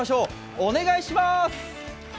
お願いします。